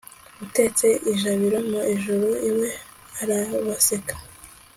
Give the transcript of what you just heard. utetse ijabiro mu ijuru, we arabaseka